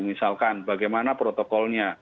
misalkan bagaimana protokolnya